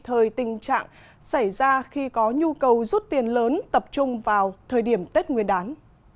thời tình trạng xảy ra khi có nhu cầu rút tiền lớn tập trung vào thời điểm tết nguyên đán